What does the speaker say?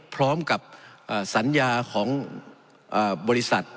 พร้อมกับสัญญาของบริษัท